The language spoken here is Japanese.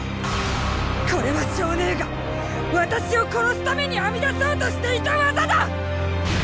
これは象姉が私を殺すためにあみ出そうとしていた術だ！！